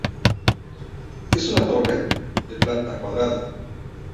Es una torre, de planta cuadrada.